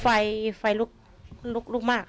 ไฟไฟลุกลุกลุกมากค่ะ